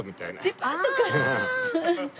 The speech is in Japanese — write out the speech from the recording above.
デパートか。